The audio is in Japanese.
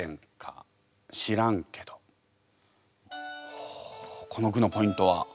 ほうこの句のポイントは？